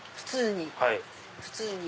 普通に？